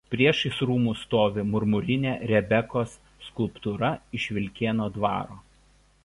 Priešais rūmus stovi marmurinė „Rebekos“ skulptūra iš Vilkėno dvaro.